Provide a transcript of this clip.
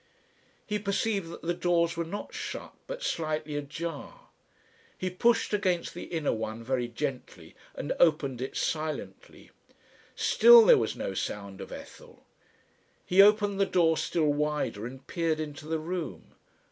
He perceived that the doors were not shut, but slightly ajar. He pushed against the inner one very gently and opened it silently. Still there was no sound of Ethel. He opened the door still wider and peered into the room.